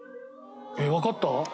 えっわかった？